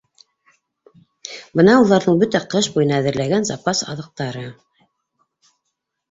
Бына уларҙың бөтә ҡыш буйына әҙерләгән запас аҙыҡтары.